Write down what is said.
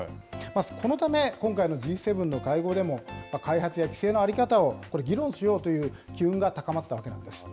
そのため、今回のＧ７の会合でも開発や規制の在り方をこれ、議論しようという機運が高まったわけなんです。